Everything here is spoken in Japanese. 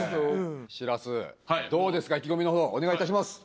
しらすどうですか意気込みの方お願いいたします